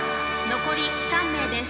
残り３名です。